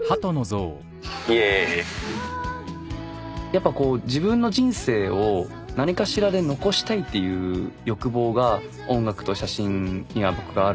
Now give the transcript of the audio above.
やっぱこう自分の人生を何かしらで残したいっていう欲望が音楽と写真には僕があるので。